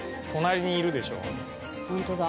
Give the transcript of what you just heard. ホントだ。